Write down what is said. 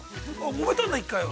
◆もめたんだ、１回は。